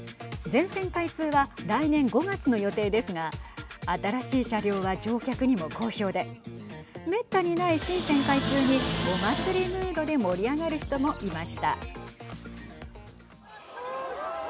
全線開通は来年５月の予定ですが新しい車両は乗客にも好評でめったにない新線開通にお祭りムードで盛り上がる人もいました。